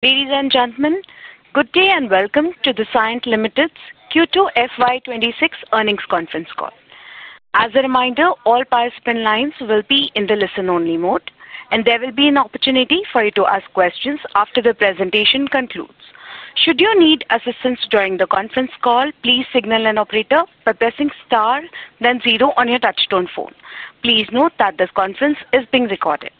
Ladies and gentlemen, good day and welcome to the Cyient Limited's Q2 FY 2026 earnings conference call. As a reminder, all participant lines will be in the listen-only mode, and there will be an opportunity for you to ask questions after the presentation concludes. Should you need assistance during the conference call, please signal an operator by pressing star, then zero on your touch-tone phone. Please note that this conference is being recorded.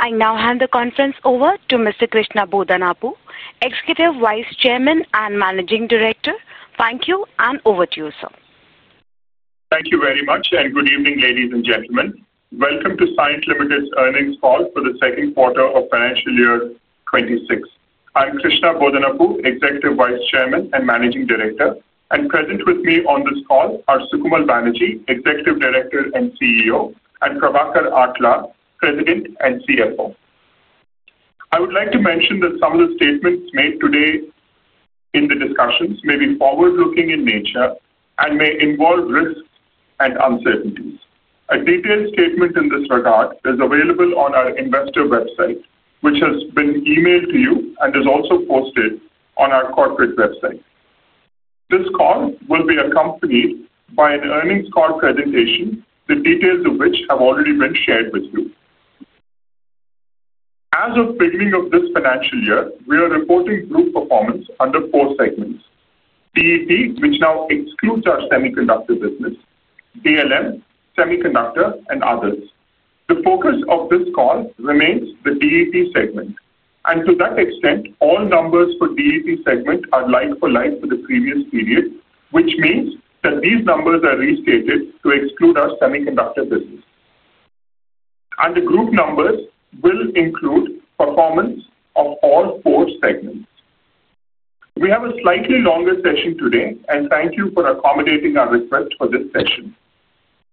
I now hand the conference over to Mr. Krishna Bodanapu, Executive Vice Chairman and Managing Director. Thank you and over to you, sir. Thank you very much, and good evening, ladies and gentlemen. Welcome to Cyient Limited's earnings call for the second quarter of financial year 2026. I'm Krishna Bodanapu, Executive Vice Chairman and Managing Director, and present with me on this call are Sukamal Banerjee, Executive Director and CEO, and Prabhakar Atla, President and CFO. I would like to mention that some of the statements made today in the discussions may be forward-looking in nature and may involve risks and uncertainties. A detailed statement in this regard is available on our investor website, which has been emailed to you and is also posted on our corporate website. This call will be accompanied by an earnings call presentation, the details of which have already been shared with you. As of the beginning of this financial year, we are reporting group performance under four segments: DET, which now excludes our semiconductor business, DLM, semiconductor, and others. The focus of this call remains the DET segment, and to that extent, all numbers for the DET segment are like for like for the previous period, which means that these numbers are restated to exclude our semiconductor business. The group numbers will include performance of all four segments. We have a slightly longer session today, and thank you for accommodating our request for this session.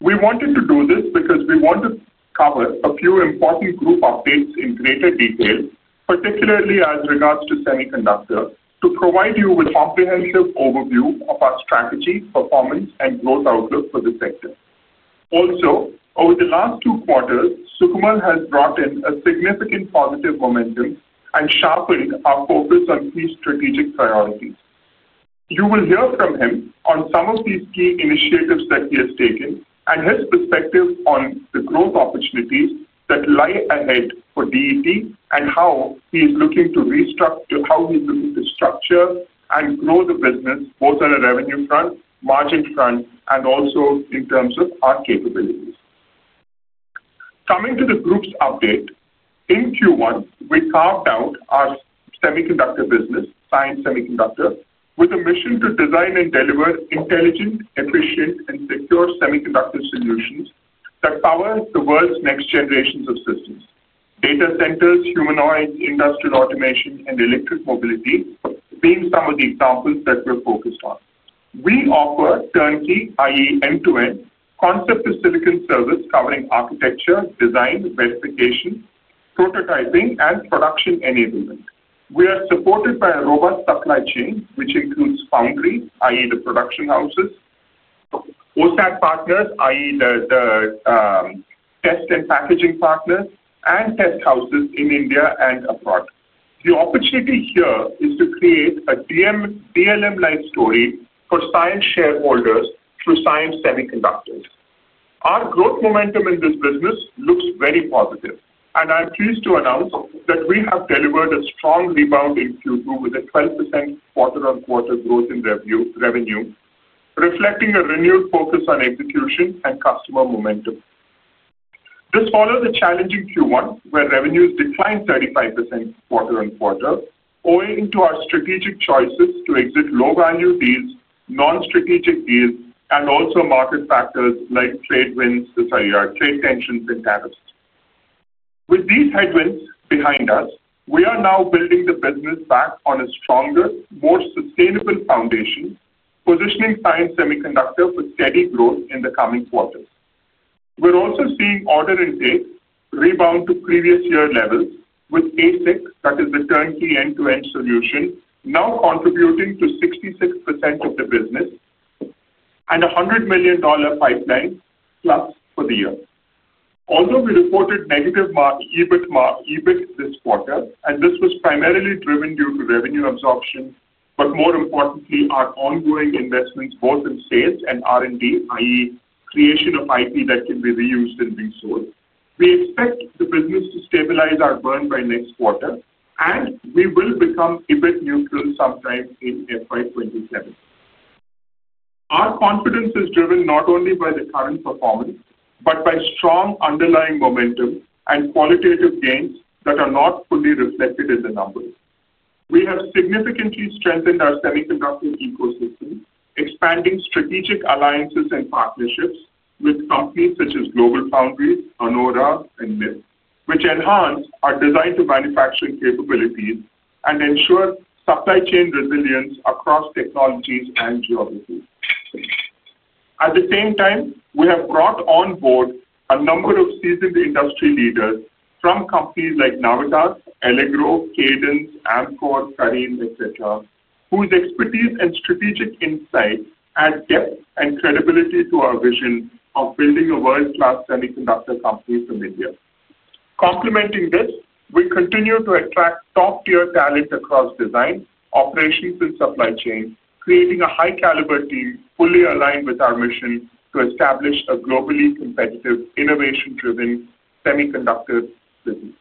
We wanted to do this because we want to cover a few important group updates in greater detail, particularly as regards to semiconductor, to provide you with a comprehensive overview of our strategy, performance, and growth outlook for the sector. Also, over the last two quarters, Sukamal has brought in a significant positive momentum and sharpened our focus on key strategic priorities. You will hear from him on some of these key initiatives that he has taken and his perspective on the growth opportunities that lie ahead for DET and how he is looking to structure and grow the business, both on a revenue front, margin front, and also in terms of our capabilities. Coming to the group's update, in Q1, we carved out our semiconductor business, Cyient Semiconductor, with a mission to design and deliver intelligent, efficient, and secure semiconductor solutions that power the world's next generations of systems: data centers, humanoids, industrial automation, and electric mobility, being some of the examples that we're focused on. We offer turnkey, i.e., end-to-end, concept-to-silicon service covering architecture, design, verification, prototyping, and production enablement. We are supported by a robust supply chain, which includes foundry, i.e., the production houses, OSAT partners, i.e., the test and packaging partners, and test houses in India and abroad. The opportunity here is to create a DLM life story for Cyient shareholders through Cyient Semiconductor. Our growth momentum in this business looks very positive, and I'm pleased to announce that we have delivered a strong rebound in Q2 with a 12% quarter-on-quarter growth in revenue, reflecting a renewed focus on execution and customer momentum. This follows a challenging Q1 where revenues declined 35% quarter-on-quarter, owing to our strategic choices to exit low-value deals, non-strategic deals, and also market factors like trade winds, trade tensions, and tariffs. With these headwinds behind us, we are now building the business back on a stronger, more sustainable foundation, positioning Cyient Semiconductor for steady growth in the coming quarters. We're also seeing order intake rebound to previous-year levels with ASIC, that is the turnkey end-to-end solution, now contributing to 66% of the business and a $100 million pipeline plus for the year. Although we reported negative EBIT this quarter, and this was primarily driven due to revenue absorption, but more importantly, our ongoing investments both in sales and R&D, i.e., creation of IP that can be reused and resold, we expect the business to stabilize our burn by next quarter, and we will become EBIT neutral sometime in FY 2027. Our confidence is driven not only by the current performance but by strong underlying momentum and qualitative gains that are not fully reflected in the numbers. We have significantly strengthened our semiconductor ecosystem, expanding strategic alliances and partnerships with companies such as GlobalFoundries, Anora, and MIPS, which enhance our design-to-manufacturing capabilities and ensure supply chain resilience across technologies and geographies. At the same time, we have brought on board a number of seasoned industry leaders from companies like Navitas, Allegro, Cadence, Amkor, Karim, etc., whose expertise and strategic insight add depth and credibility to our vision of building a world-class semiconductor company from India. Complementing this, we continue to attract top-tier talent across design, operations, and supply chain, creating a high-caliber team fully aligned with our mission to establish a globally competitive, innovation-driven semiconductor business.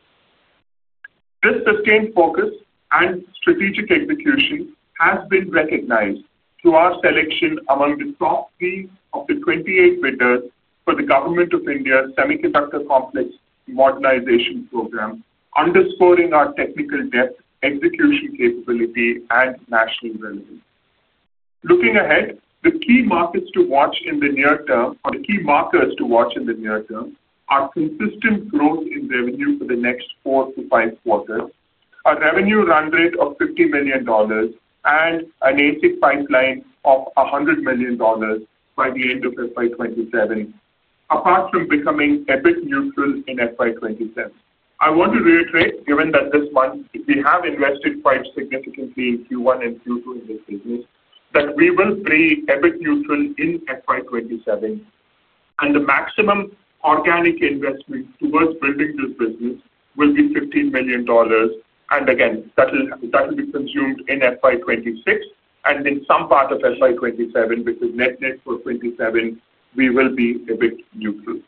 This sustained focus and strategic execution has been recognized through our selection among the top three of the 28 winners for the Government of India Semiconductor Complex Modernization Program, underscoring our technical depth, execution capability, and national relevance. Looking ahead, the key markets to watch in the near term, or the key markers to watch in the near term, are consistent growth in revenue for the next four to five quarters, a revenue run rate of $50 million, and an ASIC pipeline of $100 million by the end of FY 2027, apart from becoming EBIT neutral in FY 2027. I want to reiterate, given that this month we have invested quite significantly in Q1 and Q2 in this business, that we will be EBIT neutral in FY 2027, and the maximum organic investment towards building this business will be $15 million. That will be consumed in FY 2026, and in some part of FY 2027, which is net net for 2027, we will be EBIT neutral.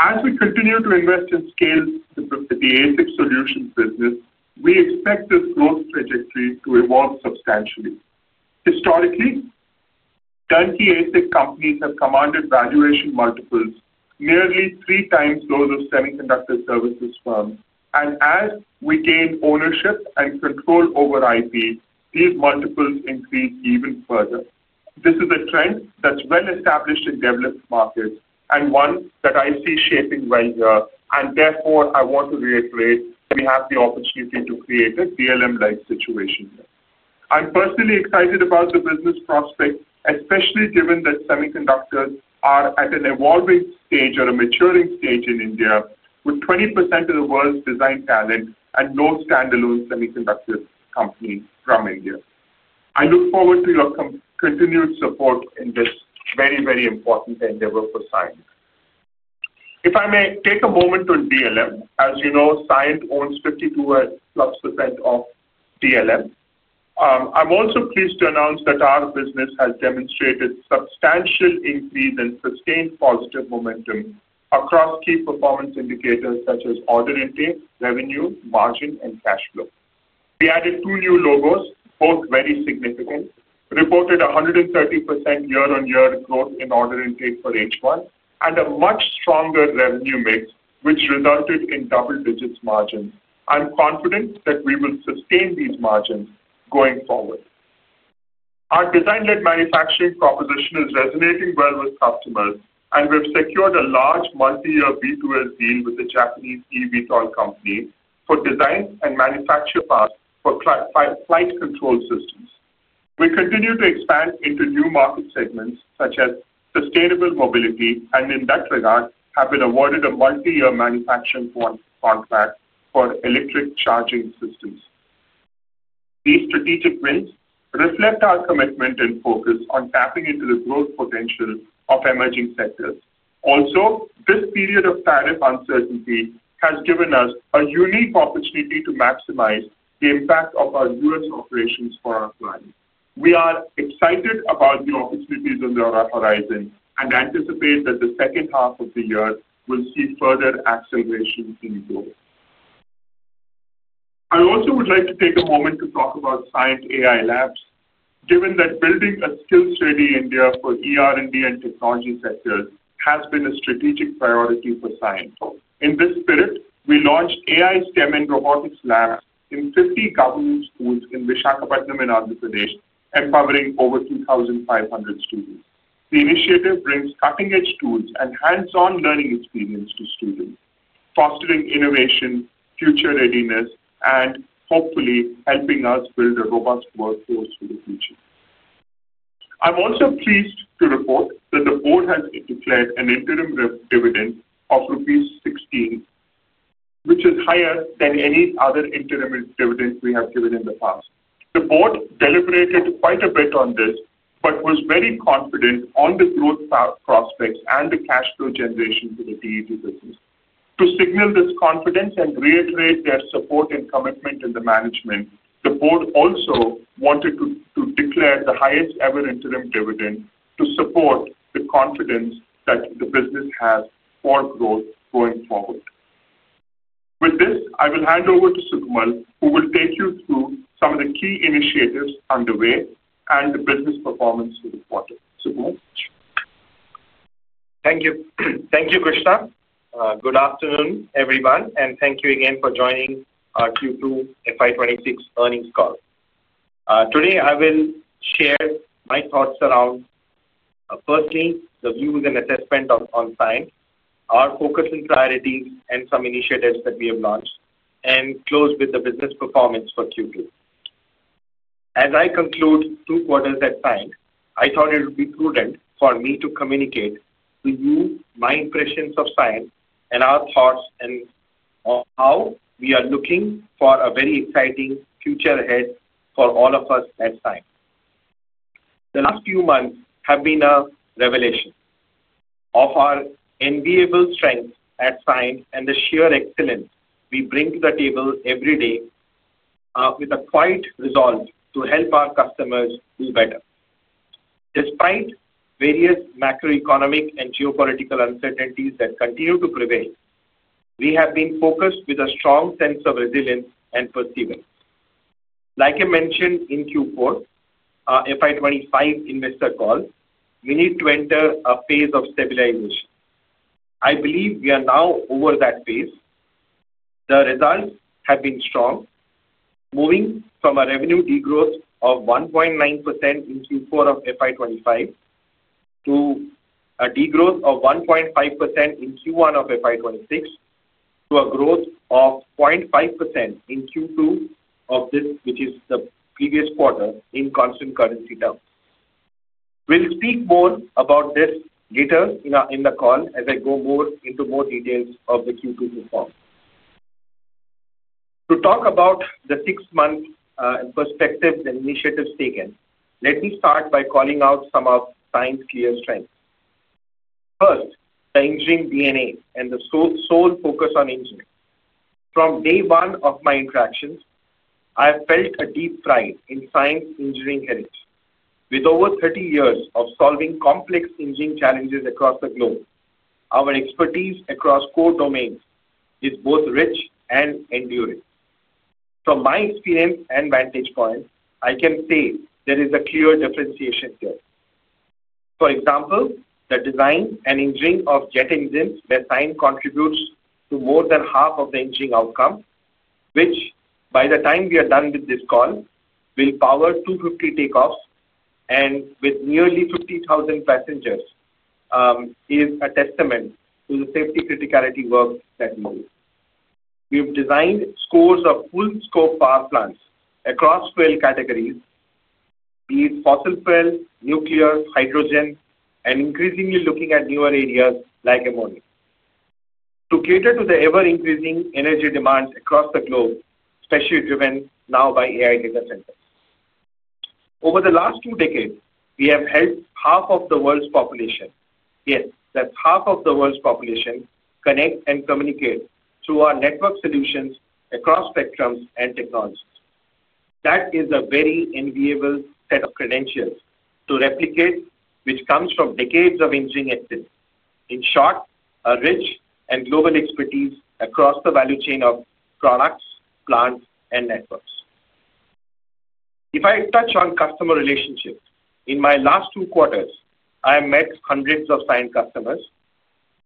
As we continue to invest in scale the ASIC solutions business, we expect this growth trajectory to evolve substantially. Historically, turnkey ASIC companies have commanded valuation multiples nearly three times those of semiconductor services firms. As we gain ownership and control over IP, these multiples increase even further. This is a trend that's well established in developed markets and one that I see shaping well here. Therefore, I want to reiterate we have the opportunity to create a DLM life situation here. I'm personally excited about the business prospect, especially given that semiconductors are at an evolving stage or a maturing stage in India, with 20% of the world's design talent and no standalone semiconductor company from India. I look forward to your continued support in this very, very important endeavor for Cyient. If I may take a moment on DLM, as you know, Cyient owns 52%+ of DLM. I'm also pleased to announce that our business has demonstrated a substantial increase in sustained positive momentum across key performance indicators such as order intake, revenue, margin, and cash flow. We added two new logos, both very significant, reported 130% year-on-year growth in order intake for H1 and a much stronger revenue mix, which resulted in double-digit margins. I'm confident that we will sustain these margins going forward. Our design-led manufacturing proposition is resonating well with customers, and we have secured a large multi-year B2S deal with the Japanese eVTOL company for design and manufacture parts for flight control systems. We continue to expand into new market segments such as sustainable mobility, and in that regard, have been awarded a multi-year manufacturing contract for electric charging systems. These strategic wins reflect our commitment and focus on tapping into the growth potential of emerging sectors. Also, this period of tariff uncertainty has given us a unique opportunity to maximize the impact of our U.S. operations for our clients. We are excited about the opportunities on our horizon and anticipate that the second half of the year will see further acceleration in growth. I also would like to take a moment to talk about Cyient AI Labs, given that building a skills-ready India for ER&D and technology sectors has been a strategic priority for Cyient. In this spirit, we launched AI STEM and robotics labs in 50 government schools in Visakhapatnam and Andhra Pradesh, empowering over 2,500 students. The initiative brings cutting-edge tools and hands-on learning experience to students, fostering innovation, future readiness, and hopefully helping us build a robust workforce for the future. I'm also pleased to report that the board has declared an interim dividend of rupees 16, which is higher than any other interim dividend we have given in the past. The board deliberated quite a bit on this but was very confident on the growth prospects and the cash flow generation for the DLM business. To signal this confidence and reiterate their support and commitment in the management, the board also wanted to declare the highest ever interim dividend to support the confidence that the business has for growth going forward. With this, I will hand over to Sukamal, who will take you through some of the key initiatives underway and the business performance for the quarter. Sukamal. Thank you. Thank you, Krishna. Good afternoon, everyone, and thank you again for joining our Q2 FY 2026 earnings call. Today, I will share my thoughts around, firstly, the views and assessment on Cyient, our focus and priorities, and some initiatives that we have launched, and close with the business performance for Q2. As I conclude two quarters at Cyient, I thought it would be prudent for me to communicate to you my impressions of Cyient and our thoughts on how we are looking for a very exciting future ahead for all of us at Cyient. The last few months have been a revelation of our enviable strength at Cyient and the sheer excellence we bring to the table every day with a quiet resolve to help our customers do better. Despite various macroeconomic and geopolitical uncertainties that continue to prevail, we have been focused with a strong sense of resilience and perseverance. Like I mentioned in Q4 FY 2025 investor call, we need to enter a phase of stabilization. I believe we are now over that phase. The results have been strong, moving from a revenue degrowth of 1.9% in Q4 of FY 2025 to a degrowth of 1.5% in Q1 of FY 2026 to a growth of 0.5% in Q2 of this, which is the previous quarter in constant currency terms. We'll speak more about this later in the call as I go into more details of the Q2 performance. To talk about the six-month perspectives and initiatives taken, let me start by calling out some of Cyient's clear strengths. First, the engineering DNA and the sole focus on engineering. From day one of my interactions, I have felt a deep pride in Cyient's engineering heritage. With over 30 years of solving complex engineering challenges across the globe, our expertise across core domains is both rich and enduring. From my experience and vantage point, I can say there is a clear differentiation here. For example, the design and engineering of jet engines where Cyient contributes to more than half of the engineering outcome, which, by the time we are done with this call, will power 250 takeoffs and with nearly 50,000 passengers, is a testament to the safety criticality work that we do. We've designed scores of full-scope power plants across 12 categories, be it fossil fuel, nuclear, hydrogen, and increasingly looking at newer areas like ammonia. To cater to the ever-increasing energy demands across the globe, especially driven now by AI data centers. Over the last two decades, we have helped half of the world's population, yes, that's half of the world's population, connect and communicate through our network solutions across spectrums and technologies. That is a very enviable set of credentials to replicate, which comes from decades of engineering activity. In short, a rich and global expertise across the value chain of products, plants, and networks. If I touch on customer relationships, in my last two quarters, I have met hundreds of Cyient customers.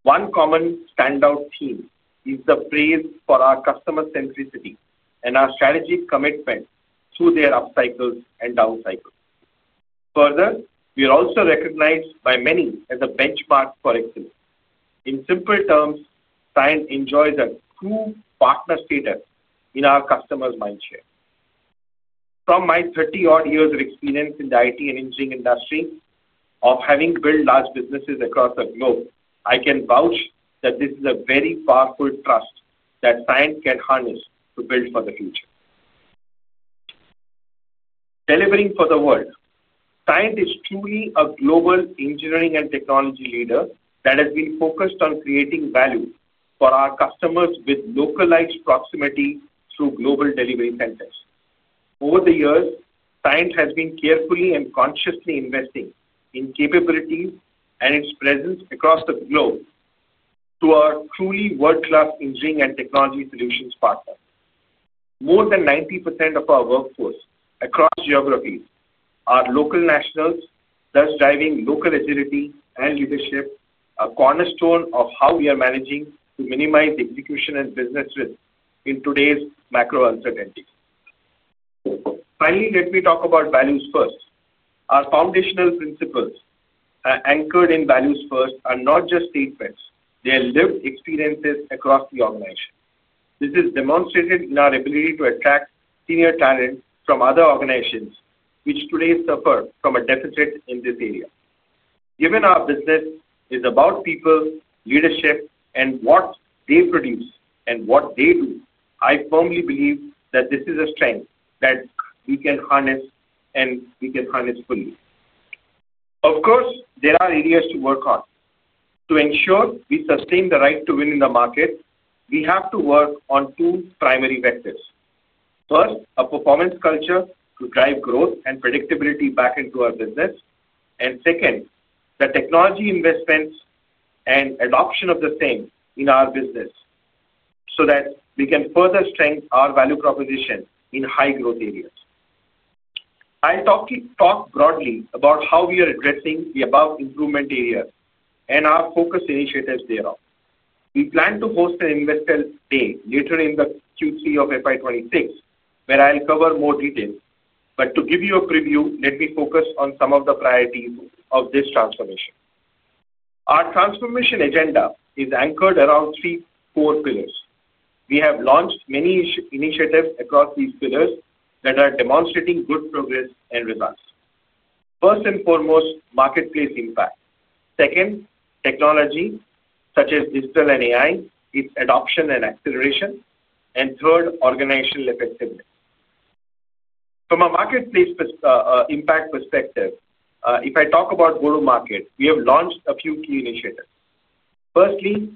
One common standout theme is the praise for our customer centricity and our strategic commitment to their upcycles and downcycles. Further, we are also recognized by many as a benchmark for excellence. In simple terms, Cyient enjoys a true partner status in our customers' mindset. From my 30-odd years of experience in the IT and engineering industry, of having built large businesses across the globe, I can vouch that this is a very powerful trust that Cyient can harness to build for the future. Delivering for the world, Cyient is truly a global engineering and technology leader that has been focused on creating value for our customers with localized proximity through global delivery centers. Over the years, Cyient has been carefully and consciously investing in capabilities and its presence across the globe to our truly world-class engineering and technology solutions partner. More than 90% of our workforce across geographies are local nationals, thus driving local agility and leadership, a cornerstone of how we are managing to minimize the execution and business risk in today's macro uncertainties. Finally, let me talk about values first. Our foundational principles, anchored in values first, are not just statements; they are lived experiences across the organization. This is demonstrated in our ability to attract senior talent from other organizations, which today suffer from a deficit in this area. Given our business is about people, leadership, and what they produce and what they do, I firmly believe that this is a strength that we can harness and we can harness fully. Of course, there are areas to work on. To ensure we sustain the right to win in the market, we have to work on two primary vectors. First, a performance culture to drive growth and predictability back into our business. Second, the technology investments and adoption of the same in our business so that we can further strengthen our value proposition in high-growth areas. I'll talk broadly about how we are addressing the above improvement areas and our focus initiatives thereof. We plan to host an investor day later in Q3 of FY 2026, where I'll cover more details. To give you a preview, let me focus on some of the priorities of this transformation. Our transformation agenda is anchored around three core pillars. We have launched many initiatives across these pillars that are demonstrating good progress and results. First and foremost, marketplace impact. Second, technology, such as digital and AI, its adoption and acceleration. Third, organizational effectiveness. From a marketplace impact perspective, if I talk about go-to-market, we have launched a few key initiatives. Firstly,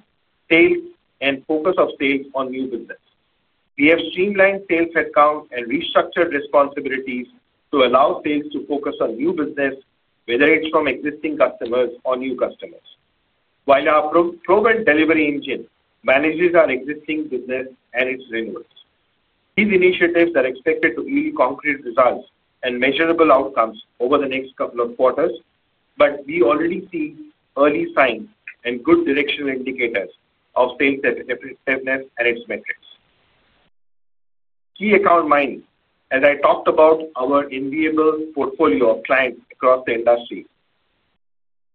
sales and focus of sales on new business. We have streamlined sales headcount and restructured responsibilities to allow sales to focus on new business, whether it's from existing customers or new customers, while our proven delivery engine manages our existing business and its renewals. These initiatives are expected to yield concrete results and measurable outcomes over the next couple of quarters. We already see early signs and good directional indicators of sales effectiveness and its metrics. Key account mining, as I talked about our enviable portfolio of clients across the industry,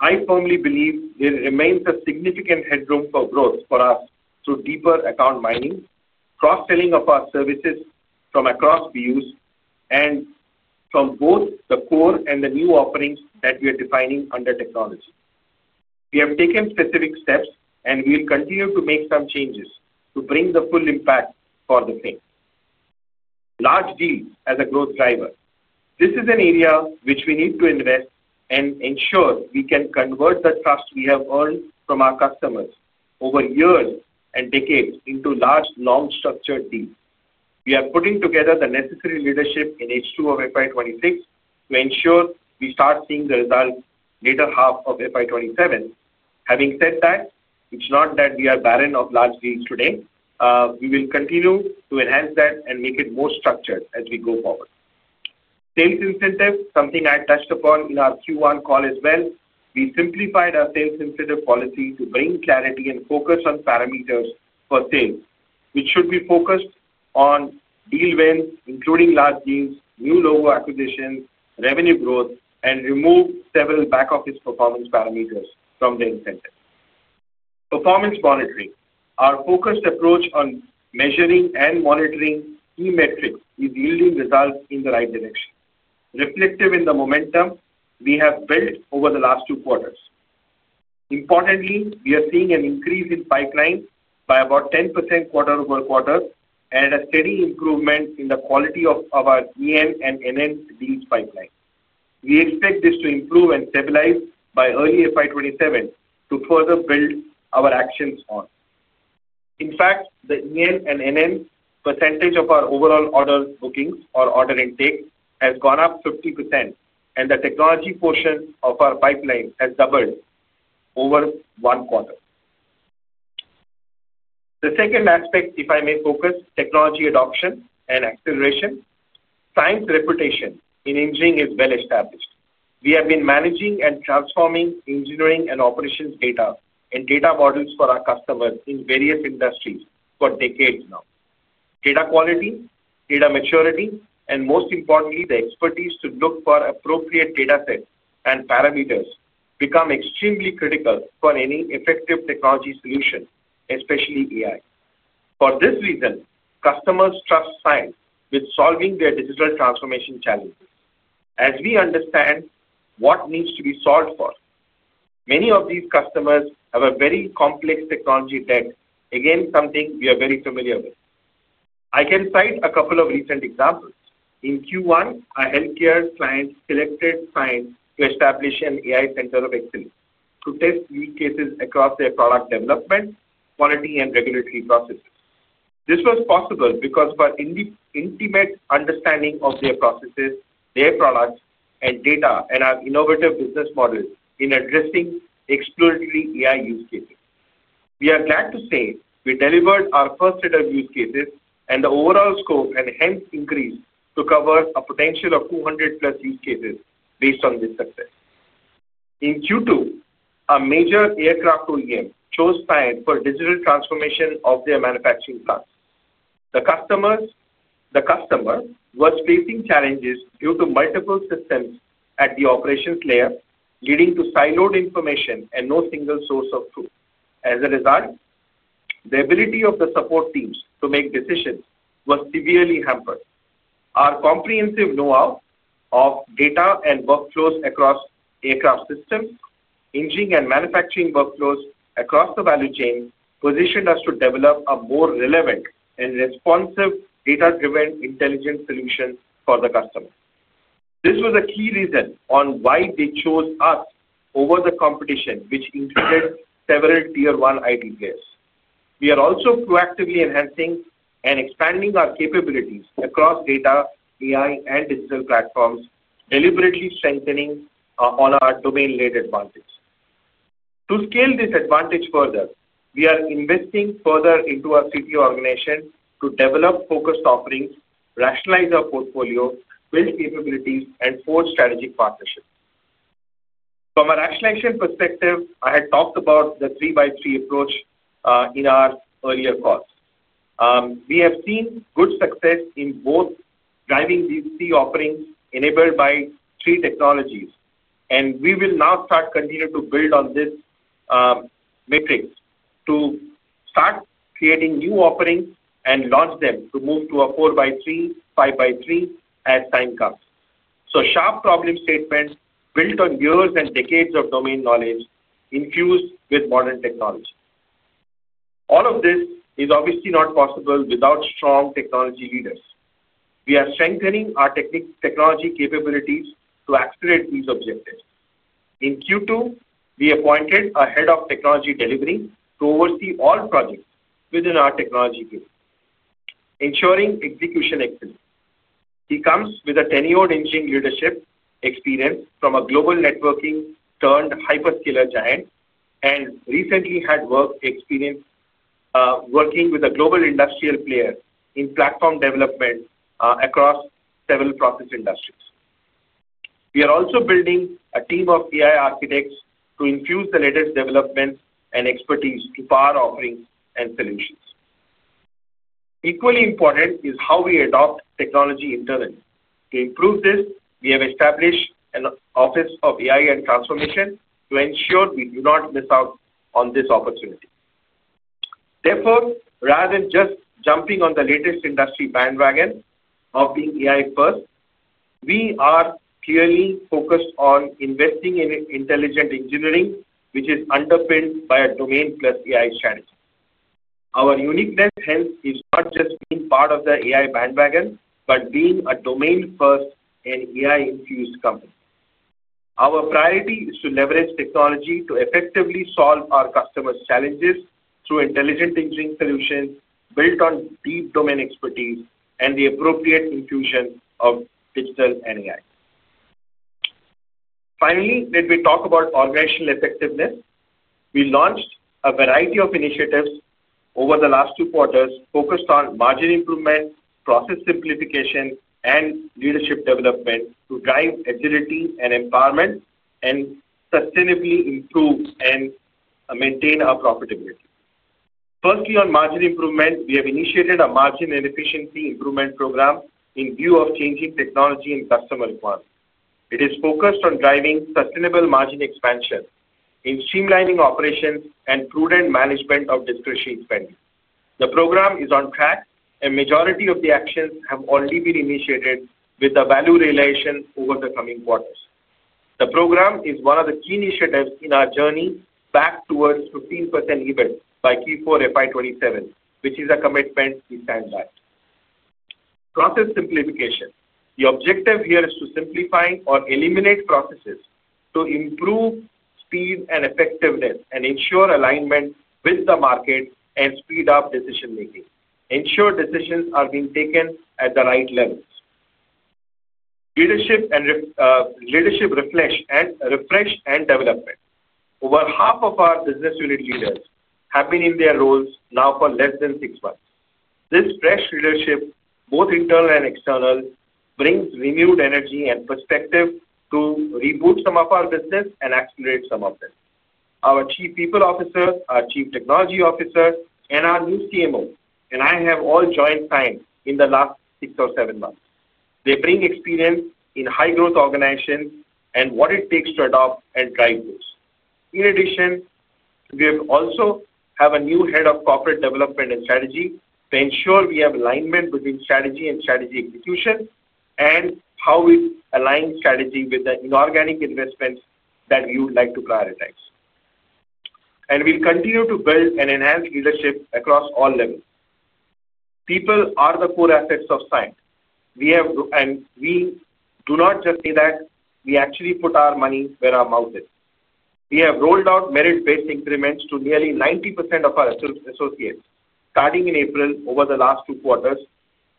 I firmly believe there remains a significant headroom for growth for us through deeper account mining, cross-selling of our services from across views, and from both the core and the new offerings that we are defining under technology. We have taken specific steps, and we'll continue to make some changes to bring the full impact for the team. Large deals as a growth driver. This is an area which we need to invest and ensure we can convert the trust we have earned from our customers over years and decades into large, long, structured deals. We are putting together the necessary leadership in H2 of FY 2026 to ensure we start seeing the results later half of FY 2027. Having said that, it's not that we are barren of large deals today. We will continue to enhance that and make it more structured as we go forward. Sales incentives, something I touched upon in our Q1 call as well. We simplified our sales incentive policy to bring clarity and focus on parameters for sales, which should be focused on deal wins, including large deals, new logo acquisitions, revenue growth, and remove several back-office performance parameters from the incentive. Performance monitoring, our focused approach on measuring and monitoring key metrics is yielding results in the right direction, reflective in the momentum we have built over the last two quarters. Importantly, we are seeing an increase in pipeline by about 10% quarter over quarter and a steady improvement in the quality of our EN and NN deals pipeline. We expect this to improve and stabilize by early FY 2027 to further build our actions on. In fact, the EN and NN percentage of our overall order bookings or order intake has gone up 50%, and the technology portion of our pipeline has doubled over one quarter. The second aspect, if I may focus, is technology adoption and acceleration. Cyient's reputation in engineering is well established. We have been managing and transforming engineering and operations data and data models for our customers in various industries for decades now. Data quality, data maturity, and most importantly, the expertise to look for appropriate data sets and parameters become extremely critical for any effective technology solution, especially AI. For this reason, customers trust Cyient with solving their digital transformation challenges as we understand what needs to be solved for. Many of these customers have a very complex technology debt, again, something we are very familiar with. I can cite a couple of recent examples. In Q1, a healthcare client selected Cyient to establish an AI center of excellence to test use cases across their product development, quality, and regulatory processes. This was possible because of our intimate understanding of their processes, their products, and data, and our innovative business model in addressing exploratory AI use cases. We are glad to say we delivered our first set of use cases, and the overall scope and hence increased to cover a potential of 200+ use cases based on this success. In Q2, a major aircraft OEM chose Cyient for digital transformation of their manufacturing plants. The customer was facing challenges due to multiple systems at the operations layer, leading to siloed information and no single source of truth. As a result, the ability of the support teams to make decisions was severely hampered. Our comprehensive know-how of data and workflows across aircraft systems, engineering, and manufacturing workflows across the value chain positioned us to develop a more relevant and responsive data-driven intelligent solution for the customer. This was a key reason on why they chose us over the competition, which included several tier-one ID players. We are also proactively enhancing and expanding our capabilities across data, AI, and digital platforms, deliberately strengthening on our domain-led advantage. To scale this advantage further, we are investing further into our CTO organization to develop focused offerings, rationalize our portfolio, build capabilities, and forge strategic partnerships. From a rationalization perspective, I had talked about the three-by-three approach in our earlier calls. We have seen good success in both driving these three offerings enabled by three technologies, and we will now start continuing to build on this matrix to start creating new offerings and launch them to move to a four-by-three, five-by-three as Cyient comes. Sharp problem statements built on years and decades of domain knowledge infused with modern technology. All of this is obviously not possible without strong technology leaders. We are strengthening our technology capabilities to accelerate these objectives. In Q2, we appointed a Head of Technology Delivery to oversee all projects within our technology team, ensuring execution excellence. He comes with a 10-year engineering leadership experience from a global networking-turned-hyperscaler giant and recently had work experience working with a global industrial player in platform development across several process industries. We are also building a team of AI architects to infuse the latest developments and expertise to power offerings and solutions. Equally important is how we adopt technology internally. To improve this, we have established an Office of AI and Transformation to ensure we do not miss out on this opportunity. Therefore, rather than just jumping on the latest industry bandwagon of being AI-first, we are clearly focused on investing in intelligent engineering, which is underpinned by a domain-plus-AI strategy. Our uniqueness hence is not just being part of the AI bandwagon but being a domain-first and AI-infused company. Our priority is to leverage technology to effectively solve our customers' challenges through intelligent engineering solutions built on deep domain expertise and the appropriate infusion of digital and AI. Finally, let me talk about organizational effectiveness. We launched a variety of initiatives over the last two quarters focused on margin improvement, process simplification, and leadership development to drive agility and empowerment and sustainably improve and maintain our profitability. Firstly, on margin improvement, we have initiated a margin and efficiency improvement program in view of changing technology and customer requirements. It is focused on driving sustainable margin expansion in streamlining operations and prudent management of discretionary spending. The program is on track, and a majority of the actions have already been initiated with the value realization over the coming quarters. The program is one of the key initiatives in our journey back towards 15% EBIT by Q4 FY 2027, which is a commitment we stand by. Process simplification, the objective here is to simplify or eliminate processes to improve speed and effectiveness and ensure alignment with the market and speed up decision-making, ensure decisions are being taken at the right levels. Leadership refresh and development. Over half of our business unit leaders have been in their roles now for less than six months. This fresh leadership, both internal and external, brings renewed energy and perspective to reboot some of our business and accelerate some of this. Our Chief People Officer, our Chief Technology Officer, and our new CMO and I have all joined Cyient in the last six or seven months. They bring experience in high-growth organizations and what it takes to adopt and drive those. In addition, we also have a new Head of Corporate Development and Strategy to ensure we have alignment between strategy and strategy execution and how we align strategy with the inorganic investments that we would like to prioritize. We will continue to build and enhance leadership across all levels. People are the core assets of Cyient. We have, and we do not just say that. We actually put our money where our mouth is. We have rolled out merit-based increments to nearly 90% of our associates, starting in April over the last two quarters,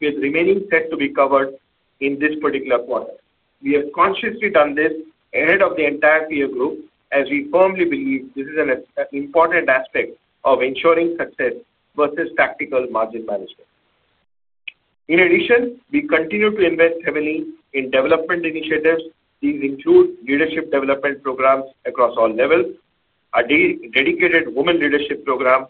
with remaining set to be covered in this particular quarter. We have consciously done this ahead of the entire peer group as we firmly believe this is an important aspect of ensuring success versus tactical margin management. In addition, we continue to invest heavily in development initiatives. These include leadership development programs across all levels, a dedicated women leadership program,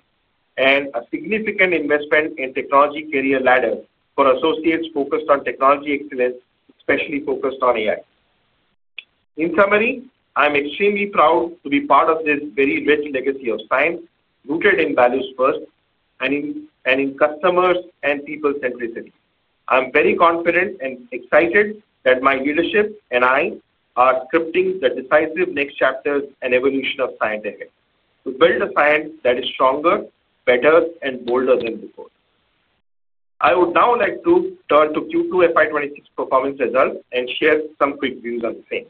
and a significant investment in technology career ladder for associates focused on technology excellence, especially focused on AI. In summary, I'm extremely proud to be part of this very rich legacy of Cyient rooted in values first and in customers' and people's centricity. I'm very confident and excited that my leadership and I are scripting the decisive next chapters and evolution of Cyient ahead to build a Cyient that is stronger, better, and bolder than before. I would now like to turn to Q2 FY 2026 performance results and share some quick views on the same.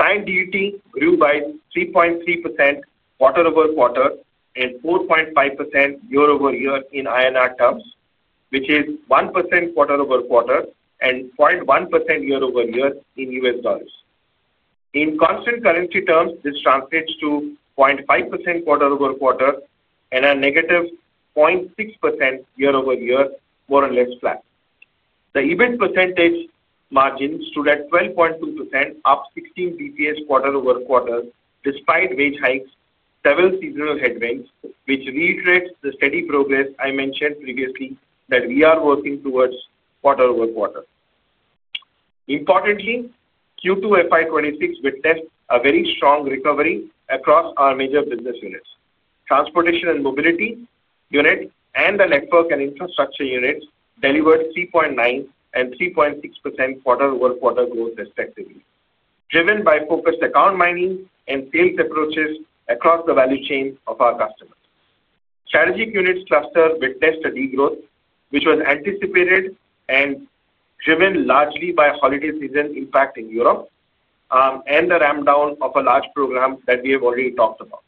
Cyient GDP grew by 3.3% quarter over quarter and 4.5% year-over-year in INR terms, which is 1% quarter over quarter and 0.1% year over year in U.S. dollars. In constant currency terms, this translates to 0.5% quarter over quarter and a -0.6% year-over- year, more or less flat. The EBIT % margin stood at 12.2%, up 16 bps quarter over quarter despite wage hikes, several seasonal headwinds, which reiterates the steady progress I mentioned previously that we are working towards quarter over quarter. Importantly, Q2 FY 2026 witnessed a very strong recovery across our major business units. Transportation and mobility unit and the network and infrastructure units delivered 3.9% and 3.6% quarter over quarter growth respectively, driven by focused account mining and sales approaches across the value chain of our customers. Strategic units cluster witnessed a degrowth, which was anticipated and driven largely by holiday season impact in Europe and the ramp down of a large program that we have already talked about.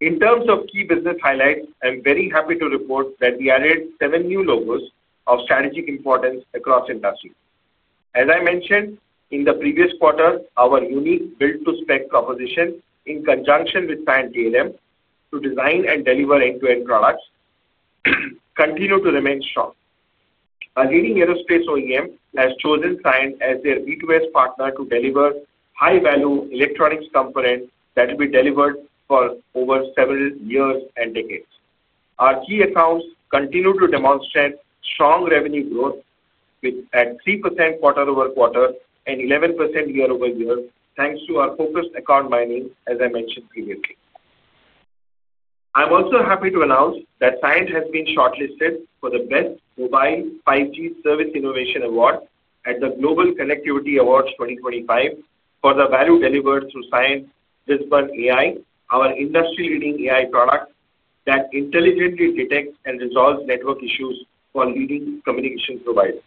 In terms of key business highlights, I'm very happy to report that we added seven new logos of strategic importance across industries. As I mentioned in the previous quarter, our unique build-to-spec composition in conjunction with Cyient DLM to design and deliver end-to-end products continues to remain strong. Our leading aerospace OEM has chosen Cyient as their B2S partner to deliver high-value electronics components that will be delivered for over several years and decades. Our key accounts continue to demonstrate strong revenue growth at 3% quarter over quarter and 11% year-over-year, thanks to our focused account mining, as I mentioned previously. I'm also happy to announce that Cyient has been shortlisted for the Best Mobile 5G Service Innovation Award at the Global Connectivity Awards 2025 for the value delivered through Cyient's Dispert AI, our industry-leading AI product that intelligently detects and resolves network issues for leading communication providers.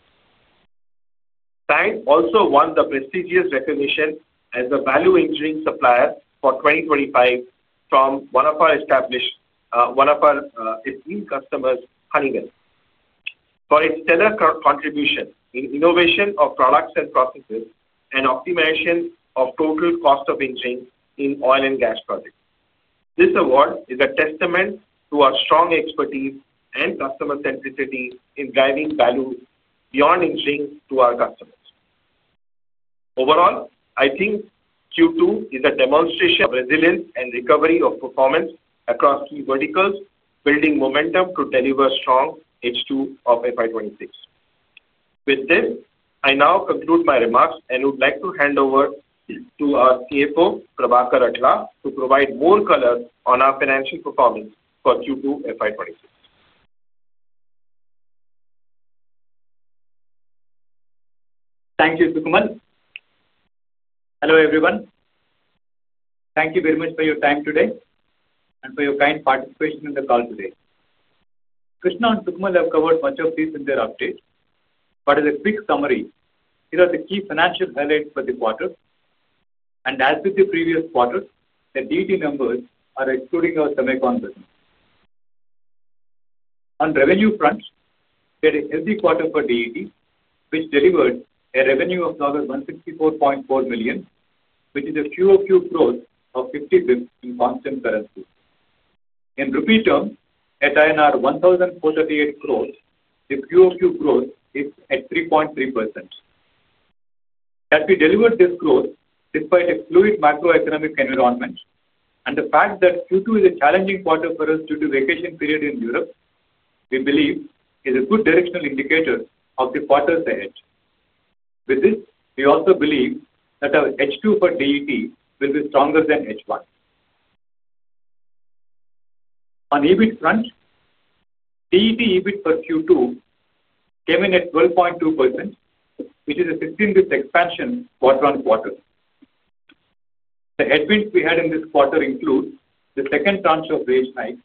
Cyient also won the prestigious recognition as the Value Engineering Supplier for 2025 from one of our esteemed customers, Honeywell, for its stellar contribution in innovation of products and processes and optimization of total cost of engineering in oil and gas projects. This award is a testament to our strong expertise and customer centricity in driving value beyond engineering to our customers. Overall, I think Q2 is a demonstration of resilience and recovery of performance across key verticals, building momentum to deliver strong H2 of FY 2026. With this, I now conclude my remarks and would like to hand over to our CFO, Prabhakar Atla, to provide more color on our financial performance for Q2 FY 2026. Thank you, Sukamal. Hello, everyone. Thank you very much for your time today and for your kind participation in the call today. Krishna and Sukamal have covered much of this in their updates. As a quick summary, here are the key financial highlights for the quarter. As with the previous quarter, the DET numbers are excluding our semicon business. On the revenue front, we had a healthy quarter for DET, which delivered a revenue of $164.4 million, which is a QOQ growth of 50 bps in constant currency. In rupee terms, at INR 1,438 crore, the QOQ growth is at 3.3%. We delivered this growth despite a fluid macroeconomic environment. The fact that Q2 is a challenging quarter for us due to the vacation period in Europe, we believe, is a good directional indicator of the quarters ahead. With this, we also believe that our H2 for DET will be stronger than H1. On the EBIT front, DET EBIT for Q2 came in at 12.2%, which is a 16-bps expansion quarter on quarter. The headwinds we had in this quarter include the second tranche of wage hikes,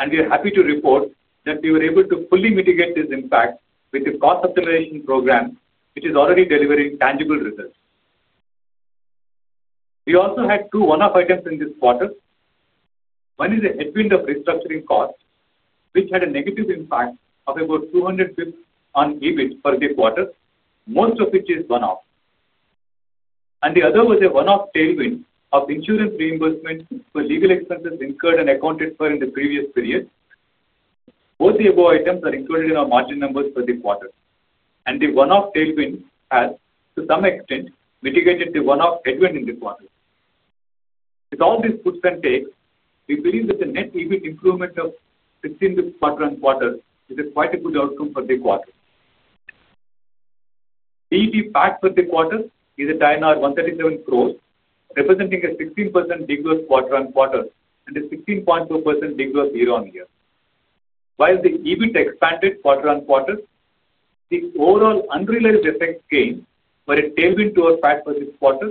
and we are happy to report that we were able to fully mitigate this impact with the cost optimization program, which is already delivering tangible results. We also had two one-off items in this quarter. One is a headwind of restructuring costs, which had a negative impact of about 200 bps on EBIT for the quarter, most of which is one-off. The other was a one-off tailwind of insurance reimbursement for legal expenses incurred and accounted for in the previous period. Both the above items are included in our margin numbers for the quarter. The one-off tailwind has, to some extent, mitigated the one-off headwind in the quarter. With all these puts and takes, we believe that the net EBIT improvement of 16 bps quarter on quarter is quite a good outcome for the quarter. DET PAT for the quarter is at 137 crore, representing a 16% degrowth quarter on quarter and a 16.2% degrowth year on year. While the EBIT expanded quarter on quarter, the overall unrelated effects gain were a tailwind to our PAT for this quarter.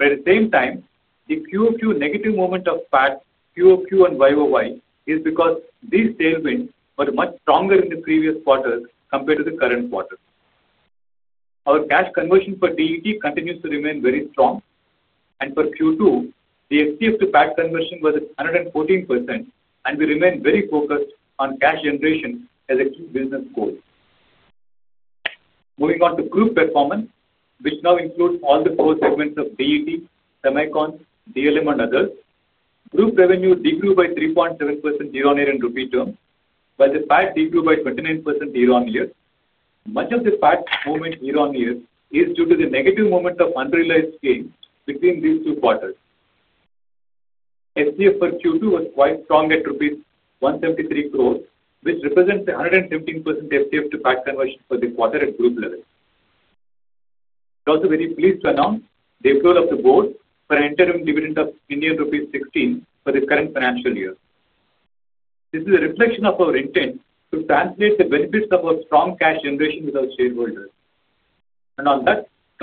At the same time, the QOQ negative moment of PAT, QOQ and YOY, is because these tailwinds were much stronger in the previous quarter compared to the current quarter. Our cash conversion for DET continues to remain very strong. For Q2, the FCF to PAT conversion was 114%, and we remain very focused on cash generation as a key business goal. Moving on to group performance, which now includes all the core segments of DET, semicon, DLM, and others, group revenue degrew by 3.7% year on year in rupee terms, but the PAT degrew by 29% year on year. Much of the PAT movement year on year is due to the negative movement of unrelated gains between these two quarters. FCF for Q2 was quite strong at INR 173 crore, which represents 117% FCF to PAT conversion for the quarter at group level. I'm also very pleased to announce the approval of the board for an interim dividend of Indian rupees 16 for the current financial year. This is a reflection of our intent to translate the benefits of our strong cash generation with our shareholders. I'd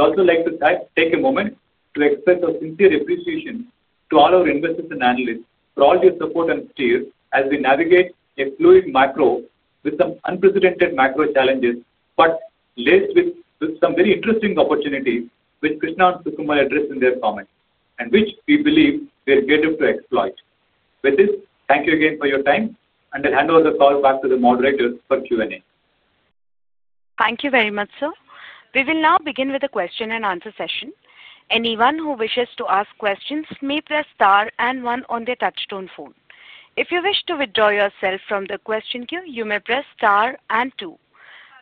also like to take a moment to express our sincere appreciation to all our investors and analysts for all your support and steer as we navigate a fluid macro with some unprecedented macro challenges, laced with some very interesting opportunities, which Krishna and Sukamal addressed in their comments, and which we believe we are getting to exploit. With this, thank you again for your time, and I'll hand over the call back to the moderator for Q&A. Thank you very much, sir. We will now begin with the question and answer session. Anyone who wishes to ask questions may press star and one on their touchstone phone. If you wish to withdraw yourself from the question queue, you may press star and two.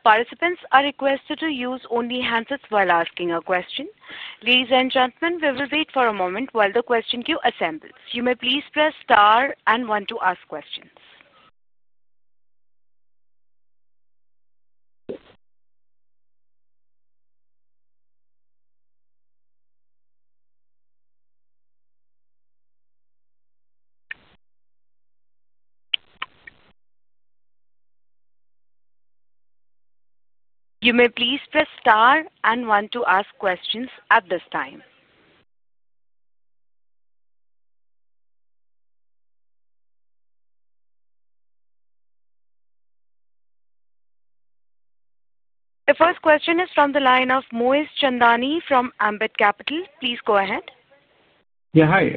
Participants are requested to use only handsets while asking a question. Ladies and gentlemen, we will wait for a moment while the question queue assembles. You may please press star and one to ask questions. You may please press star and one to ask questions at this time. The first question is from the line of Moez Chandani from Ambit Capital. Please go ahead. Yeah, hi.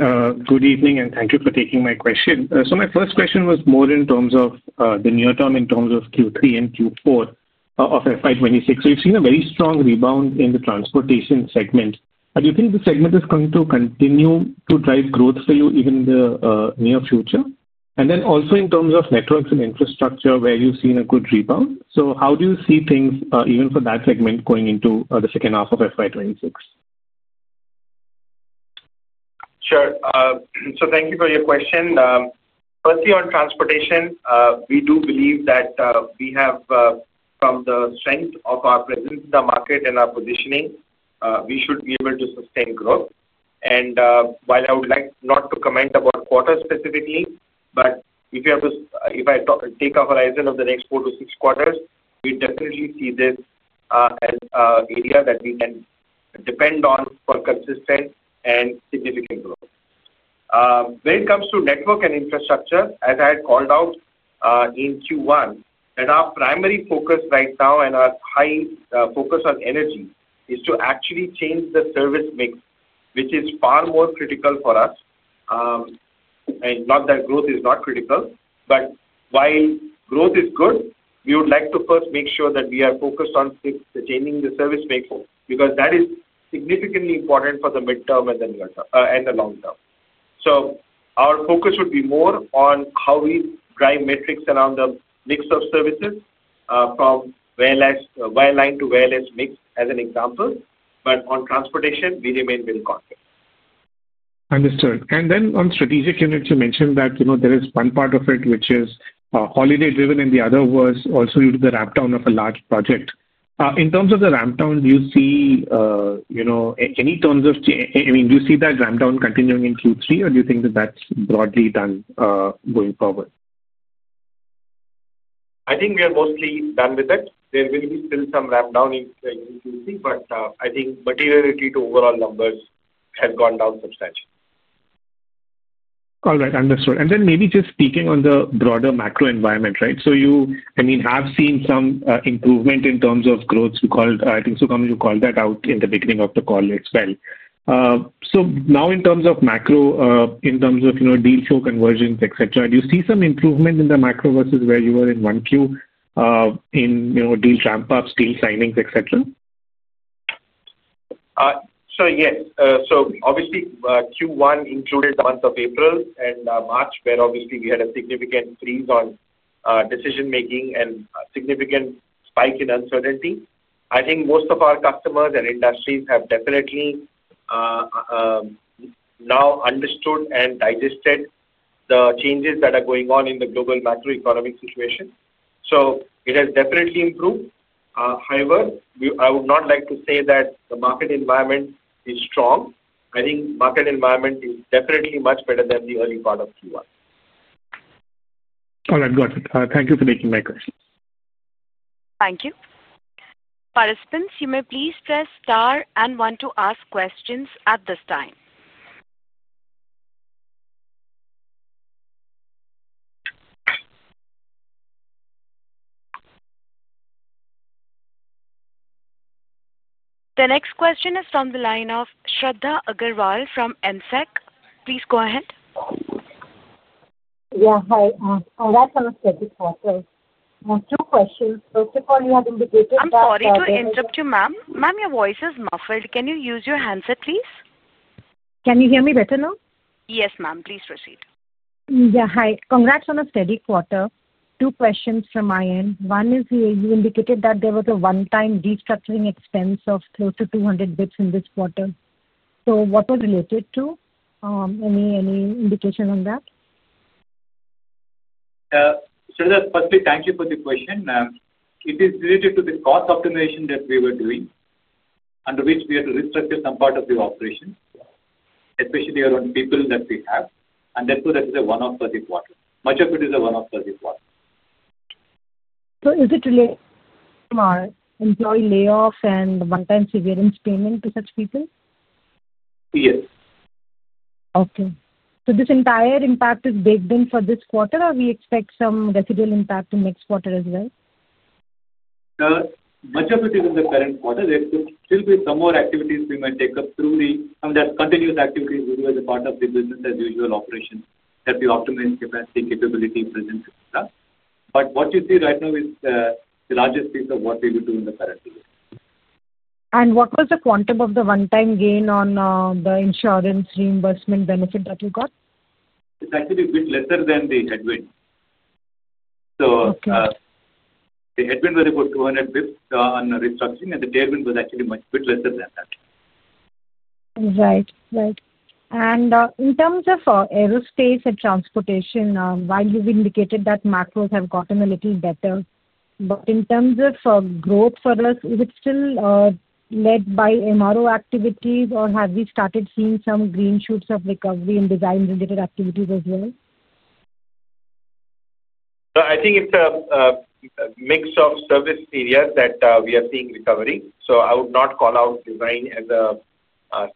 Good evening, and thank you for taking my question. My first question was more in terms of the near term, in terms of Q3 and Q4 of FY 2026. You've seen a very strong rebound in the transportation segment. Do you think the segment is going to continue to drive growth for you even in the near future? Also, in terms of networks and infrastructure where you've seen a good rebound, how do you see things even for that segment going into the second half of FY 2026? Sure. Thank you for your question. Firstly, on transportation, we do believe that we have, from the strength of our presence in the market and our positioning, we should be able to sustain growth. While I would like not to comment about quarters specifically, if I take a horizon of the next four to six quarters, we definitely see this as an area that we can depend on for consistent and significant growth. When it comes to network and infrastructure, as I had called out in Q1, our primary focus right now and our high focus on energy is to actually change the service mix, which is far more critical for us. Not that growth is not critical, but while growth is good, we would like to first make sure that we are focused on changing the service mix because that is significantly important for the midterm and the long term. Our focus would be more on how we drive metrics around the mix of services from wireline to wireless mix as an example. On transportation, we remain well confident. Understood. On strategic units, you mentioned that there is one part of it which is holiday-driven, and the other was also due to the ramp down of a large project. In terms of the ramp down, do you see any terms of change, I mean, do you see that ramp down continuing in Q3, or do you think that that's broadly done going forward? I think we are mostly done with it. There will be still some ramp down in Q3, but I think materiality to overall numbers has gone down substantially. All right. Understood. Maybe just speaking on the broader macro environment, right? You have seen some improvement in terms of growth. I think, Sukamal, you called that out in the beginning of the call as well. Now in terms of macro, in terms of deal flow conversions, etc., do you see some improvement in the macro versus where you were in Q1 in deal ramp-ups, deal signings, etc.? Yes, Q1 included the month of April and March, where we had a significant freeze on decision-making and a significant spike in uncertainty. I think most of our customers and industries have definitely now understood and digested the changes that are going on in the global macroeconomic situation. It has definitely improved. However, I would not like to say that the market environment is strong. I think the market environment is definitely much better than the early part of Q1. All right. Got it. Thank you for taking my questions. Thank you. Participants, you may please press star and one to ask questions at this time. The next question is from the line of Shradha Agrawal from AMSEC. Please go ahead. Yeah, hi. Congrats on the scheduled call. I have two questions. First of all, you had indicated that. I'm sorry to interrupt you, ma'am. Ma'am, your voice is muffled. Can you use your handset, please? Can you hear me better now? Yes, ma'am. Please proceed. Yeah, hi. Congrats on the steady quarter. Two questions from my end. One is, you indicated that there was a one-time restructuring expense of close to 200 bps in this quarter. What was it related to? Any indication on that? Shradha, firstly, thank you for the question. It is related to the cost optimization that we were doing, under which we had to restructure some part of the operation, especially around people that we have. That's why that is a one-off for the quarter. Much of it is a one-off for the quarter. Is it related to our employee layoffs and the one-time severance payment to such people? Yes. Okay. Is this entire impact baked in for this quarter, or do we expect some residual impact to next quarter as well? Much of it is in the current quarter. There could still be some more activities we may take up through the, I mean, there's continuous activities we do as a part of the business as usual operations that we optimize capacity, capability, presence, and stuff. What you see right now is the largest piece of what we would do in the current year. What was the quantum of the one-time gain on the insurance reimbursement benefit that you got? It's actually a bit lesser than the headwind. The headwind was about 200 bps on the restructuring, and the tailwind was actually a bit lesser than that. Right. In terms of aerospace and transportation, while you've indicated that macros have gotten a little better, in terms of growth for us, is it still led by MRO activities, or have we started seeing some green shoots of recovery in design-related activities as well? I think it's a mix of service areas that we are seeing recovery. I would not call out design as a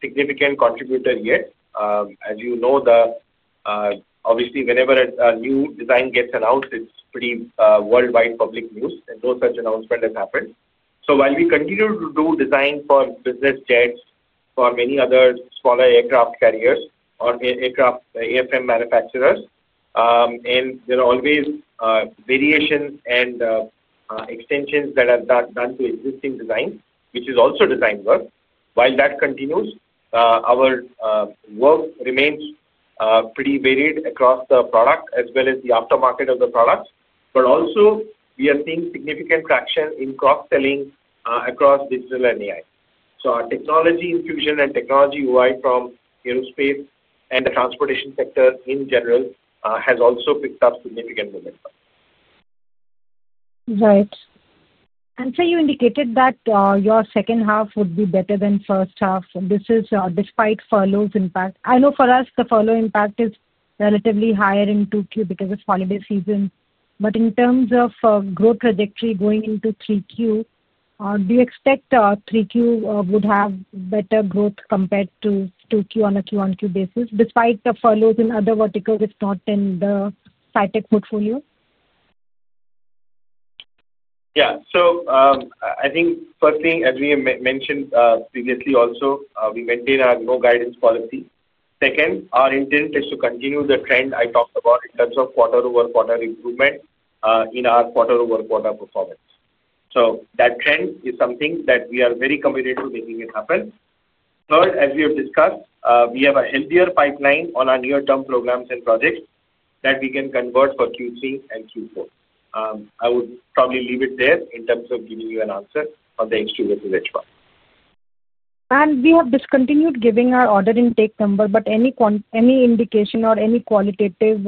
significant contributor yet. As you know, obviously, whenever a new design gets announced, it's pretty worldwide public news, and no such announcement has happened. While we continue to do design for business jets, for many other smaller aircraft carriers or aircraft manufacturers, and there are always variations and extensions that are done to existing designs, which is also design work. While that continues, our work remains pretty varied across the product as well as the aftermarket of the products. We are also seeing significant traction in cross-selling across digital and AI. Our technology infusion and technology UI from aerospace and the transportation sector in general has also picked up significant momentum. Right. You indicated that your second half would be better than first half. This is despite furlough's impact. I know for us, the furlough impact is relatively higher in 2Q because it's holiday season. In terms of growth trajectory going into 3Q, do you expect 3Q would have better growth compared to 2Q on a Q1Q basis, despite the furloughs in other verticals if not in the SIATech portfolio? I think first thing, as we mentioned previously also, we maintain our no-guidance policy. Second, our intent is to continue the trend I talked about in terms of quarter over quarter improvement in our quarter over quarter performance. That trend is something that we are very committed to making it happen. Third, as we have discussed, we have a healthier pipeline on our near-term programs and projects that we can convert for Q3 and Q4. I would probably leave it there in terms of giving you an answer on the H2 versus H1. We have discontinued giving our order intake number. Any indication or any qualitative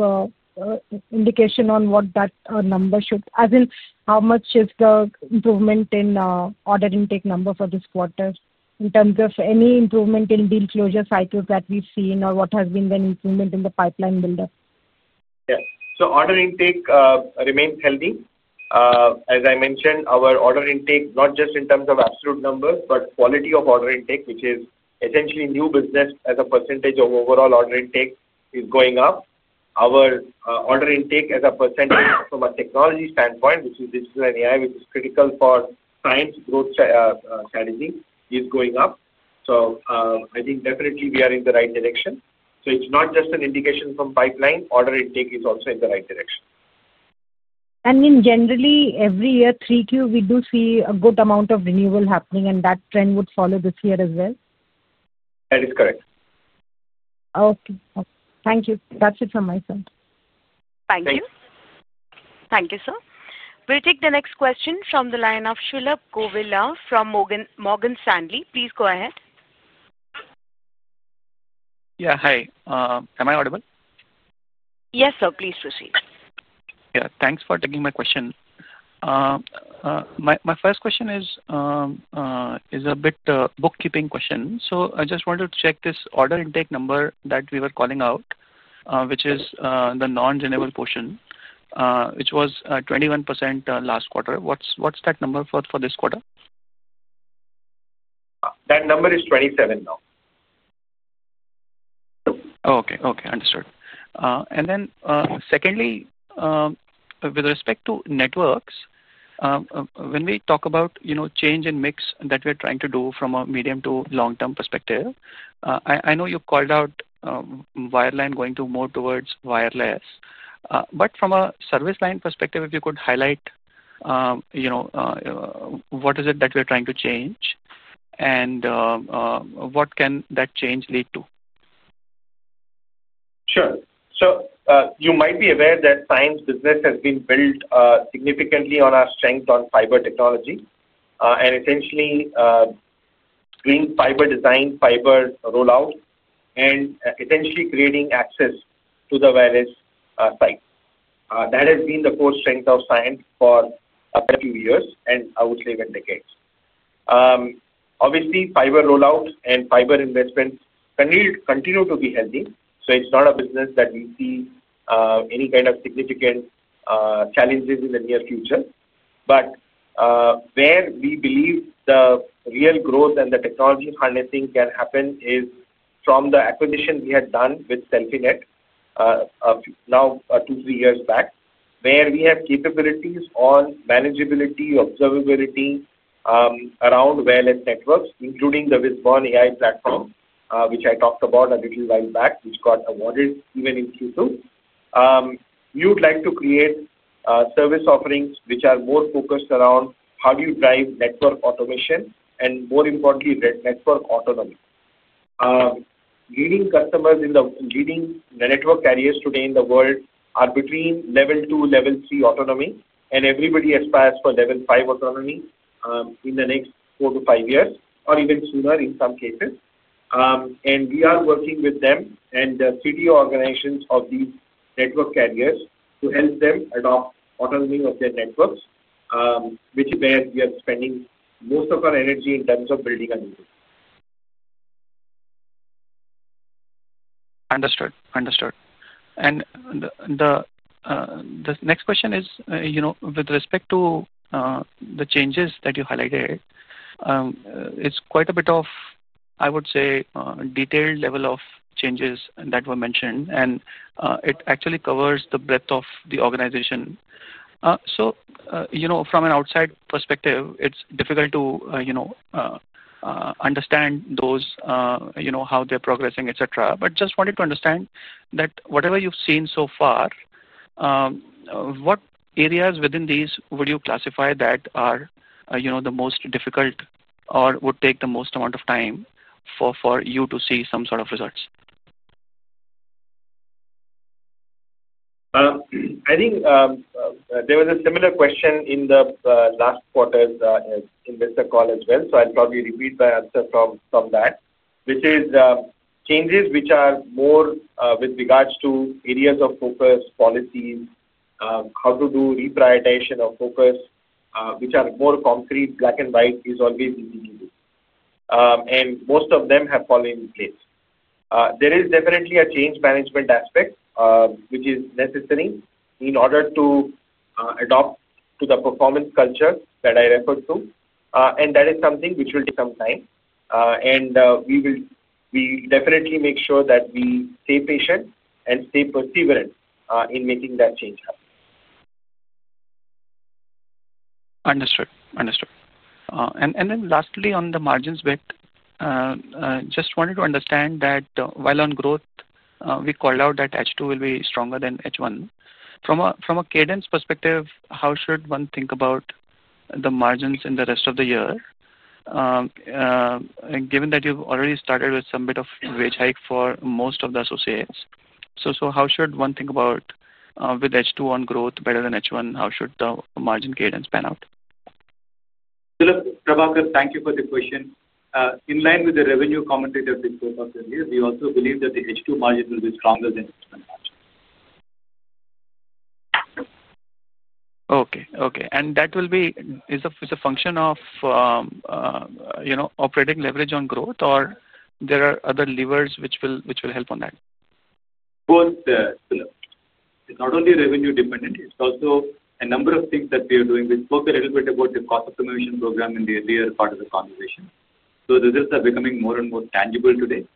indication on what that number should be, as in how much is the improvement in order intake number for this quarter in terms of any improvement in deal closure cycles that we've seen, or what has been the improvement in the pipeline buildup? Order intake remains healthy. As I mentioned, our order intake, not just in terms of absolute numbers, but quality of order intake, which is essentially new business as a % of overall order intake, is going up. Our order intake as a % from a technology standpoint, which is digital and AI, which is critical for Cyient's growth strategy, is going up. I think definitely we are in the right direction. It's not just an indication from pipeline. Order intake is also in the right direction. Generally, every year, 3Q, we do see a good amount of renewal happening, and that trend would follow this year as well? That is correct. Okay. Thank you. That's it from my side. Thank you. Thank you. Thank you, sir. We'll take the next question from the line of Sulabh Govila from Morgan Stanley. Please go ahead. Yeah, hi. Am I audible? Yes, sir. Please proceed. Thanks for taking my question. My first question is a bit of a bookkeeping question. I just wanted to check this order intake number that we were calling out, which is the non-renewal portion, which was 21% last quarter. What's that number for this quarter? That number is 27 now. Okay. Understood. Secondly, with respect to networks, when we talk about change and mix that we're trying to do from a medium to long-term perspective, I know you called out wireline going more towards wireless. From a service line perspective, if you could highlight what is it that we're trying to change and what can that change lead to? Sure. You might be aware that Cyient's business has been built significantly on our strength in fiber technology and essentially green fiber design, fiber rollout, and essentially creating access to the wireless site. That has been the core strength of Cyient for a few years, and I would say even decades. Obviously, fiber rollouts and fiber investments continue to be healthy. It's not a business that we see any kind of significant challenges in the near future. Where we believe the real growth and the technology harnessing can happen is from the acquisition we had done with Selfinet now two, three years back, where we have capabilities on manageability, observability around wireless networks, including the Dispert AI platform, which I talked about a little while back, which got awarded even in Q2. We would like to create service offerings which are more focused around how do you drive network automation and, more importantly, network autonomy. Leading customers in the leading network carriers today in the world are between level two, level three autonomy, and everybody aspires for level five autonomy in the next four to five years or even sooner in some cases. We are working with them and the CDO organizations of these network carriers to help them adopt autonomy of their networks, which is where we are spending most of our energy in terms of building a new business. Understood. The next question is, with respect to the changes that you highlighted, it's quite a bit of, I would say, detailed level of changes that were mentioned, and it actually covers the breadth of the organization. From an outside perspective, it's difficult to understand those, how they're progressing, etc. I just wanted to understand that whatever you've seen so far, what areas within these would you classify that are the most difficult or would take the most amount of time for you to see some sort of results? I think there was a similar question in the last quarter's investor call as well. I'll probably repeat the answer from that, which is changes which are more with regards to areas of focus, policies, how to do reprioritization of focus, which are more concrete, black and white, is always easy to do. Most of them have fallen in place. There is definitely a change management aspect, which is necessary in order to adopt to the performance culture that I referred to. That is something which will take some time. We will definitely make sure that we stay patient and stay perseverant in making that change happen. Understood. On the margins bit, just wanted to understand that while on growth, we called out that H2 will be stronger than H1. From a cadence perspective, how should one think about the margins in the rest of the year? Given that you've already started with some bit of wage hike for most of the associates, how should one think about with H2 on growth better than H1? How should the margin cadence pan out? Sulabh, thank you for the question. In line with the revenue commentary we spoke of earlier, we also believe that the H2 margin will be stronger than H1 margin. Okay. Okay. Will that be a function of operating leverage on growth, or are there other levers which will help on that? Both. It's not only revenue-dependent. It's also a number of things that we are doing. We spoke a little bit about the cost optimization program in the earlier part of the conversation. The results are becoming more and more tangible today.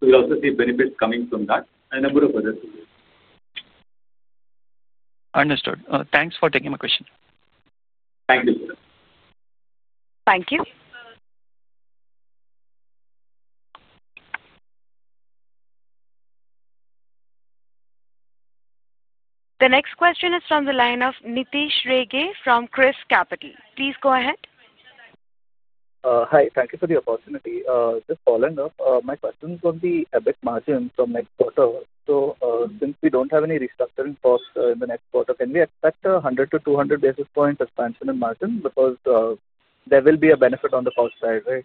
We'll also see benefits coming from that and a number of other things. Understood. Thanks for taking my question. Thank you, sir. Thank you. The next question is from the line of Nitish Rege from ChrysCapital. Please go ahead. Hi. Thank you for the opportunity. Just following up, my question is on the EBIT margin from next quarter. Since we don't have any restructuring costs in the next quarter, can we expect a 100 to 200 basis points expansion in margin because there will be a benefit on the cost side, right?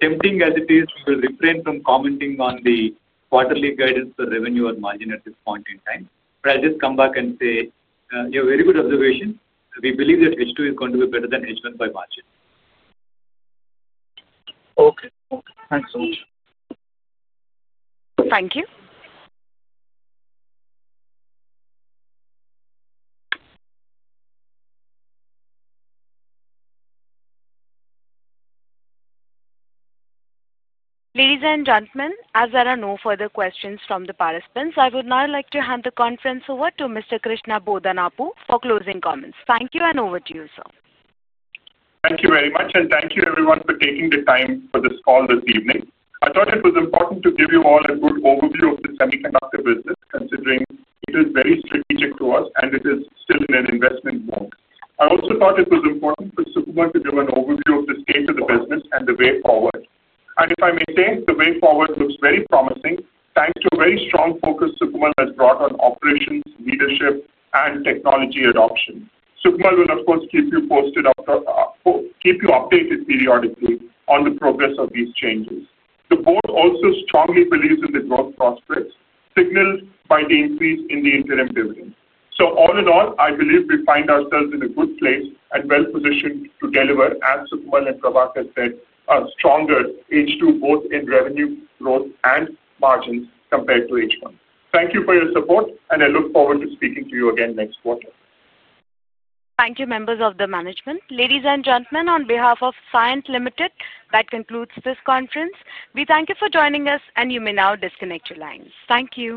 Tempting as it is, we'll refrain from commenting on the quarterly guidance for revenue or margin at this point in time. I'll just come back and say, you know, very good observation. We believe that H2 is going to be better than H1 by margin. Okay, thanks so much. Thank you. Ladies and gentlemen, as there are no further questions from the participants, I would now like to hand the conference over to Mr. Krishna Bodanapu for closing comments. Thank you, and over to you, sir. Thank you very much, and thank you everyone for taking the time for this call this evening. I thought it was important to give you all a good overview of the semiconductor business, considering it is very strategic to us, and it is still in an investment mode. I also thought it was important for Sukamal to give an overview of the state of the business and the way forward. If I may say, the way forward looks very promising thanks to a very strong focus Sukamal has brought on operations, leadership, and technology adoption. Sukamal will, of course, keep you posted, keep you updated periodically on the progress of these changes. The board also strongly believes in the growth prospects signaled by the increase in the interim dividend. All in all, I believe we find ourselves in a good place and well positioned to deliver, as Sukamal and Prabhakar said, a stronger H2 both in revenue growth and margins compared to H1. Thank you for your support, and I look forward to speaking to you again next quarter. Thank you, members of the management. Ladies and gentlemen, on behalf of Cyient Limited, that concludes this conference. We thank you for joining us, and you may now disconnect your lines. Thank you.